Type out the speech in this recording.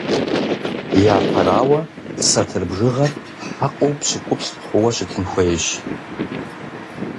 Япэрауэ, сатыр бжыгъэр хьэкъыу пщыкӀуплӀ хъууэ щытын хуейщ.